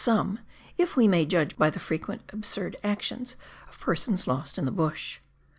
3 3 some, if we may judge by the frequent absurd actions of persons lost in the bush.